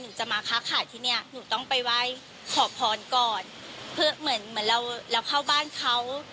หนูจะมาค้าขายที่เนี้ยหนูต้องไปไหว้ขอพรก่อนเพื่อเหมือนเหมือนเราเราเข้าบ้านเขา